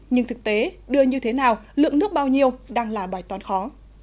nhưng thực tế đưa như thế nào lượng nước bao nhiêu đang là bài toán khó